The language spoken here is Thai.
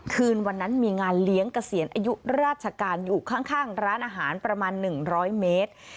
คืนวันนั้นมีงานเลี้ยงเกษียณอายุราชการอยู่ข้างร้านอาหารประมาณ๑๐๐เมตร